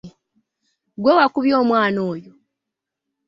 Ggwe wakubye omwana oyo?